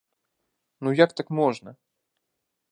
Ну як так можна?